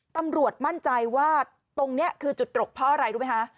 ตำรวจมั่นใจว่าตรงนี้คือจุดตรกเพราะอะไรรู้ไหมคะ